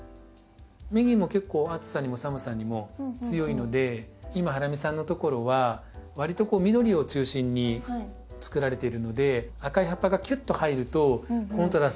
メギも結構暑さにも寒さにも強いので今ハラミさんのところはわりと緑を中心につくられているので赤い葉っぱがきゅっと入るとコントラスト非常に美しく決まりそうですし。